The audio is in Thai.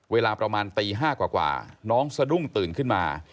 เวลาประมาณตี๕กว่าน้องสะดุ้งตื่นขึ้นมา